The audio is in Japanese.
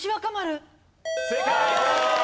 正解！